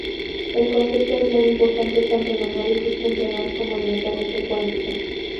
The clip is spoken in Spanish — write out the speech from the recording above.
El concepto es muy importante tanto en análisis funcional como en mecánica cuántica.